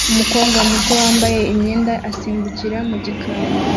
Umukobwa muto wambaye imyenda asimbukira mu gikari